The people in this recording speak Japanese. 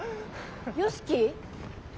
良樹？